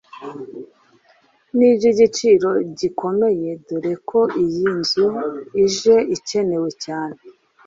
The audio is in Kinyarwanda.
ni iby’igiciro gikomeye dore ko iyi nzu ije ikenewe cyane